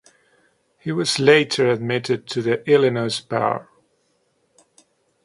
He was later admitted to the Illinois bar.